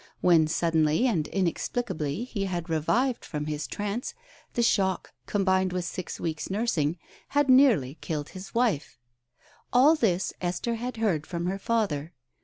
When suddenly and inexplicably he had revived from his trance, the shock, combined with six weeks' nursing, had nearly killed his wife. All this Esther had heard from her father.